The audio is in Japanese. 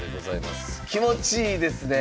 気持ちいいですねえ。